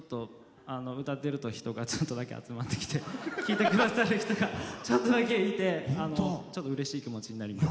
歌っていると人がちょっとだけ集まってきて聴いてくださる人がちょっとだけいてうれしい気持ちになります。